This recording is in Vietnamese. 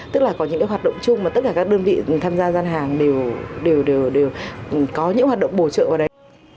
tức là có những hoạt động chung mà tất cả các đơn vị tham gia gian hàng đều có những hoạt động bổ trợ vào đây